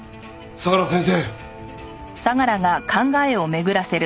相良先生。